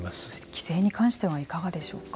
規制に関してはいかがでしょうか。